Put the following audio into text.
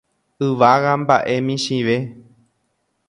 Yvága mba'e michĩve.